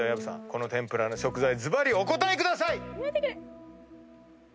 この天ぷらの食材ずばりお答えください！